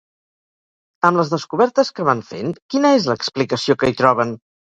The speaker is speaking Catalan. Amb les descobertes que van fent, quina és l'explicació que hi troben?